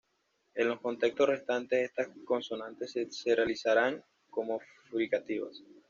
En los contextos restantes estas consonantes se realizarán como fricativas.